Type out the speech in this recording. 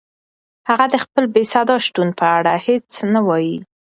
هغه د خپل بېصدا شتون په اړه هیڅ نه وایي.